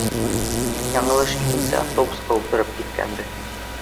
Тик яңылыш икенсе автобусҡа ултырып киткәнбеҙ.